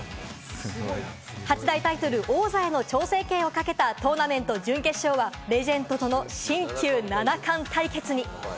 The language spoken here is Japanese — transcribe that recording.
八大タイトル王座への挑戦権をかけたトーナメント準決勝は、レジェンドとの新旧七冠対決に。